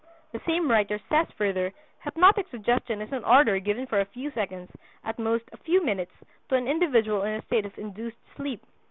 The same writer says further: "Hypnotic suggestion is an order given for a few seconds, at most a few minutes, to an individual in a state of induced sleep.